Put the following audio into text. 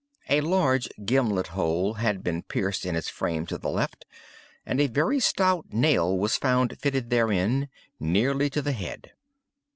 A large gimlet hole had been pierced in its frame to the left, and a very stout nail was found fitted therein, nearly to the head.